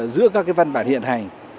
giữa các văn bản hiện hành